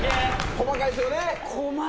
細かいですよね！